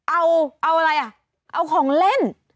เอาเอาอะไรอ่ะเอาของเล่น